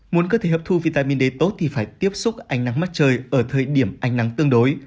muốn cơ thể hấp thu vitamin d tốt thì phải tiếp xúc ánh nắng mặt trời ở thời điểm ánh nắng tương đối